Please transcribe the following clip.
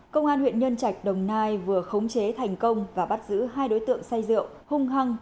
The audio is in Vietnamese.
công an huyện nhân trạch đồng nai vừa khống chế thành công và bắt giữ hai đối tượng say rượu hung hăng